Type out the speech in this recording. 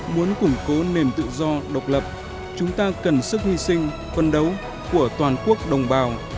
muốn củng cố nền tự do độc lập chúng ta cần sức hy sinh phân đấu của toàn quốc đồng bào